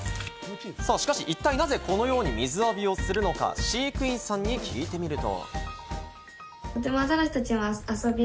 一体なぜ、このように水浴びをするのか飼育員さんに聞いてみると。